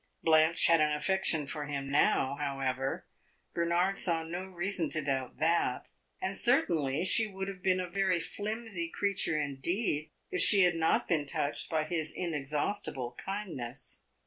Blanche had an affection for him now, however; Bernard saw no reason to doubt that, and certainly she would have been a very flimsy creature indeed if she had not been touched by his inexhaustible kindness.